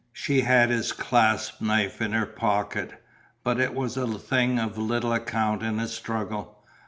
She had his clasp knife in her pocket, but it was a thing of little account in a struggle.